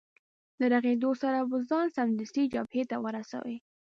له رغېدو سره به ځان سمدستي جبهې ته ورسوې.